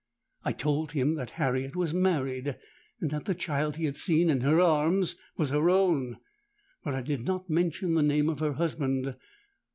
'—I told him that Harriet was married, and that the child he had seen in her arms was her own; but I did not mention the name of her husband.